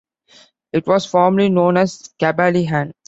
It was formerly known as Cabali-an.